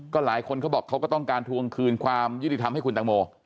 หลายคนเขาบอกเขาก็ต้องการทวงคืนความยุติธรรมให้คุณตังโม